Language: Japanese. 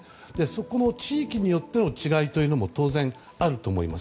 この地域によっての違いというのも当然あると思います。